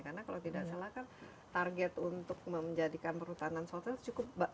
karena kalau tidak salah kan target untuk menjadikan perhutanan sosial masih cukup banyak ya